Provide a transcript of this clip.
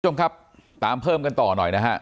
คุณผู้ชมครับตามเพิ่มกันต่อหน่อยนะฮะ